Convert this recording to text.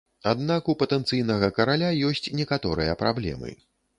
Аднак у патэнцыйнага караля ёсць некаторыя праблемы.